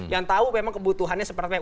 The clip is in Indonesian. yang tahu memang kebutuhannya seperti apa